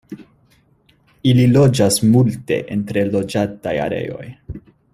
Ili loĝas multe en tre loĝataj areoj.